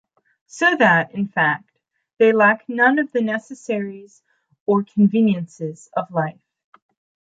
So that, in fact, they lack none of the necessaries or conveniences of life.